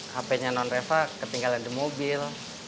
hpnya non reva ketinggalan di mobil